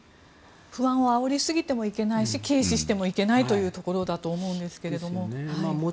不安をあおりすぎてもいけないし軽視してもいけないというところだと思うんですけども。